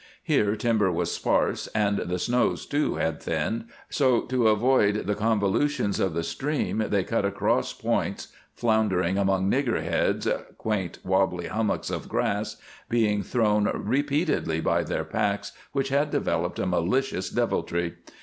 Here timber was sparse and the snows, too, had thinned; so to avoid the convolutions of the stream they cut across points, floundering among "niggerheads" quaint, wobbly hummocks of grass being thrown repeatedly by their packs which had developed a malicious deviltry.